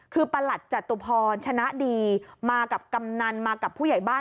คือประหลัดจตุพรชนะดีมากับกำนันมากับผู้ใหญ่บ้าน